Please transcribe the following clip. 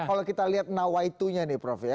kalau kita lihat nawaitunya nih prof ya